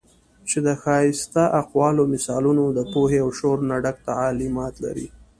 چې د ښائسته اقوالو، مثالونو د پوهې او شعور نه ډک تعليمات لري